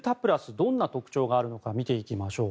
どんな特徴があるのか見ていきましょう。